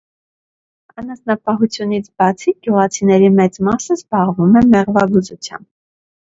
Անասնապահությունից բացի, գյուղացիների մեծ մասը զբաղվում է մեղվաբուծությամբ։